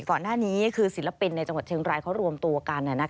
ก่อนหน้านี้คือศิลปินในจังหวัดเชียงรายเขารวมตัวกัน